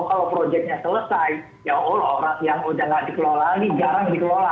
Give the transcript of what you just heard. kalau projectnya selesai ya allah orang yang sudah tidak dikelola ini jarang dikelola